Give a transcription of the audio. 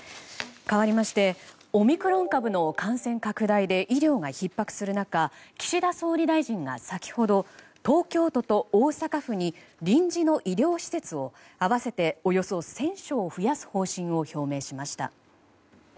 かわりましてオミクロン株の感染拡大で医療がひっ迫する中岸田総理大臣が先ほど東京都と大阪府に臨時の医療施設を合わせておよそ１０００床増やす方針を表明しました。